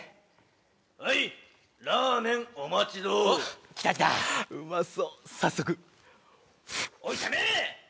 はいラーメンお待ちどおおっ来た来たうまそう早速おいてめえ！